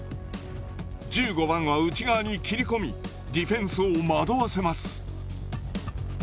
１５番は内側に切り込みディフェンスを惑わせます。